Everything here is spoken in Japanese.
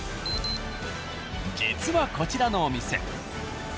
実はこちらのお店。